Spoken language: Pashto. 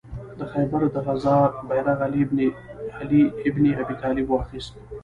د خیبر د غزا بیرغ علي ابن ابي طالب واخیست.